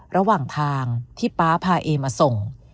ระหว่างทางที่ป๊าพาเอมาส่ง